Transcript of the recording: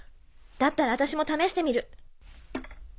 だったら私も試してみる。